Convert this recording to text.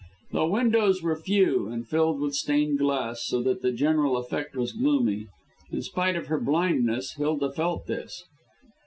The windows were few and filled with stained glass, so that the general effect was gloomy. In spite of her blindness, Hilda felt this.